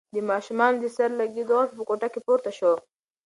د ماشوم د سر د لگېدو غږ په کوټه کې پورته شو.